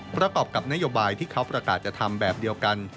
ประกอบกับนโยบายที่เขาประกาศจะทำแบบเดียวกัน